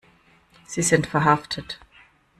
Sie sind verhaftet.